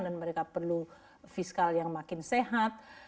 dan mereka perlu fiskal yang makin sehat